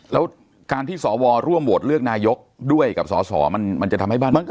แล้วการที่สวร่วมโหวตเลือกนายกด้วยกับสอสอมันจะทำให้บ้านเมือง